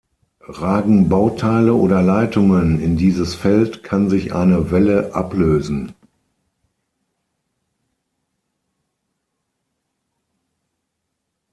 Ragen Bauteile oder Leitungen in dieses Feld, kann sich eine Welle ablösen.